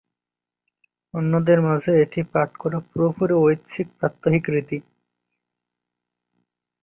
অন্যদের মাঝে এটি পাঠ করা পুরোপুরি ঐচ্ছিক প্রাত্যহিক রীতি।